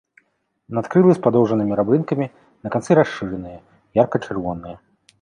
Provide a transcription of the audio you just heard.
Надкрылы з падоўжнымі рабрынкамі, на канцы расшыраныя, ярка-чырвоныя.